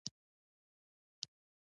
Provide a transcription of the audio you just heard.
زه د اونۍ په پای کې درسونه لولم